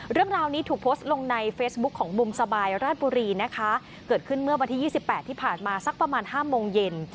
เรื่องราวนี้ถูกโพสต์ลงในเฟซบุ๊คของมุมสบายราชบุรีนะคะเกิดขึ้นเมื่อวันที่๒๘ที่ผ่านมาสักประมาณ๕โมงเย็น